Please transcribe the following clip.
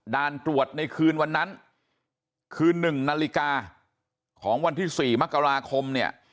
ด่านตรวจในคืนวันนั้นคืน๑นของวันที่๔มกราคม